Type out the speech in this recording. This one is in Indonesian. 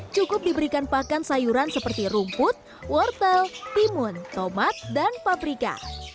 cukup diberikan pakan sayuran seperti rumput wortel timun tomat dan paprika